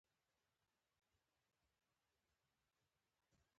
آواز ټیټ کړئ